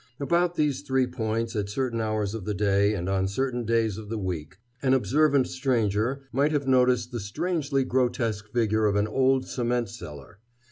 About these three points, at certain hours of the day and on certain days of the week, an observant stranger might have noticed the strangely grotesque figure of an old cement seller.